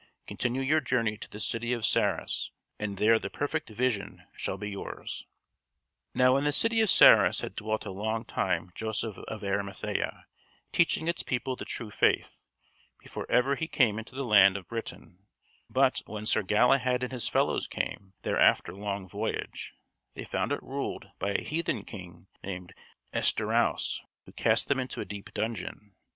Continue your journey to the city of Sarras and there the perfect vision shall be yours." Now in the city of Sarras had dwelt a long time Joseph of Arimathea, teaching its people the true faith, before ever he came into the land of Britain; but when Sir Galahad and his fellows came there after long voyage, they found it ruled by a heathen King named Estorause, who cast them into a deep dungeon.